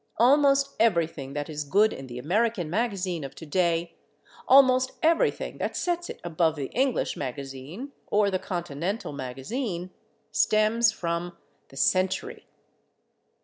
Almost everything that is good in the American magazine of to day, almost everything that sets it above the English magazine or the Continental magazine, stems from the Century.